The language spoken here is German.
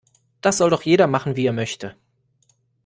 Das soll doch jeder machen, wie er möchte.